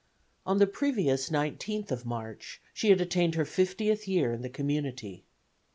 On the previous 19th of March she had attained her 50th year in the community.